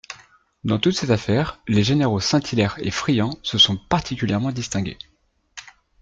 Dans toutes ces affaires les généraux Saint-Hilaire et Friant se sont particulièrement distingués.